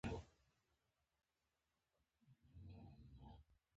څنګه جاواسکريپټ زده کړم؟